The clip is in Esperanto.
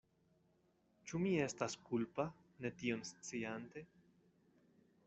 Ĉu mi estas kulpa, ne tion sciante?